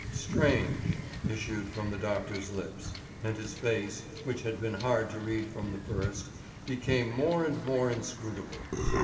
"Strange!" issued from the doctor's lips; and his face, which had been hard to read from the first, became more and more inscrutable.